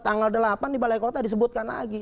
tanggal delapan di balai kota disebutkan lagi